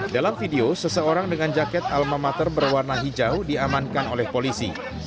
dalam video seseorang dengan jaket alma mater berwarna hijau diamankan oleh polisi